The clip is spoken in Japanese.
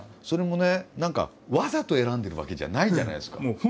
それもね何かわざと選んでるわけじゃないじゃないですか。